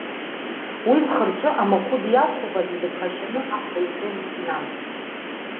Уи лхырҵәы амахәыд иалхуп азы дыԥхашьаны ахә лҳәом, нан.